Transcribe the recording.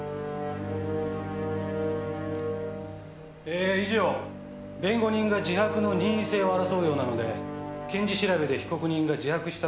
え以上弁護人が自白の任意性を争うようなので検事調べで被告人が自白した部分をお見せしました。